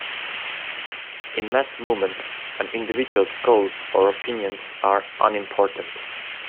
In mass movements, an individual's goals or opinions are unimportant.